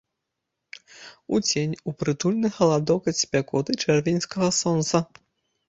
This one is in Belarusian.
У цень, у прытульны халадок ад спякоты чэрвеньскага сонца!